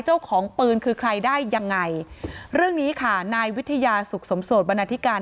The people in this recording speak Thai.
เจ้าของปืนคือใครได้ยังไงเรื่องนี้ค่ะนายวิทยาสุขสมโสดบรรณาธิการ